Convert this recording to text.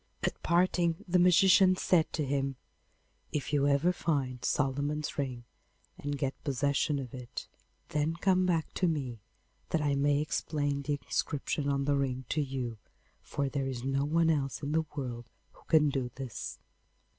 At parting the magician said to him, 'If you ever find Solomon's ring and get possession of it, then come back to me, that I may explain the inscription on the ring to you, for there is no one else in the world who can do this.